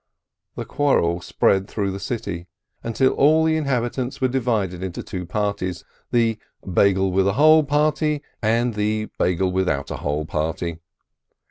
The quarrel spread through the city, until all the inhabitants were divided into two parties, the Beigel with a hole party and the Beigel without a hole party.